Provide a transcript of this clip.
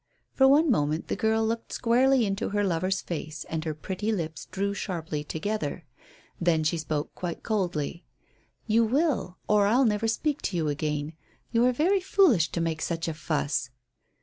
For one moment the girl looked squarely into her lover's face and her pretty lips drew sharply together. Then she spoke quite coldly. "You will or I'll never speak to you again. You are very foolish to make such a fuss."